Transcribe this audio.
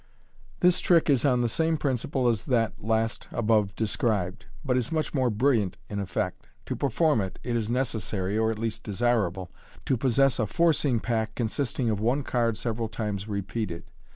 This trick is on the same principle as that last above described, but is much more brilliant in effect. To perform it, it is necessary, or at least desirable, to possess a forcing pack consisting of one card several times repeated.